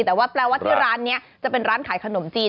แต่ว่าแปลว่าที่ร้านนี้จะเป็นร้านขายขนมจีน